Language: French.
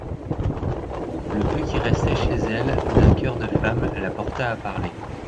Le peu qui restait chez elle d'un coeur de femme la porta à parler.